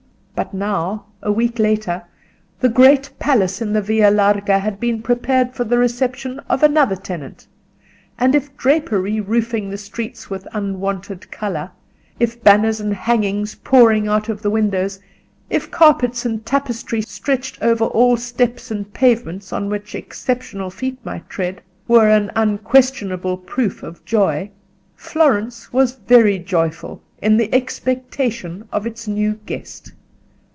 But now, a week later, the great palace in the Via Larga had been prepared for the reception of another tenant; and if drapery roofing the streets with unwonted colour, if banners and hangings pouring out of the windows, if carpets and tapestry stretched over all steps and pavement on which exceptional feet might tread, were an unquestionable proof of joy, Florence was very joyful in the expectation of its new guest.